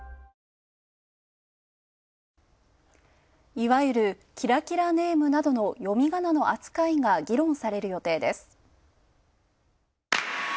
いわゆるキラキラネームなどの読みがなの扱いが議論される予定です。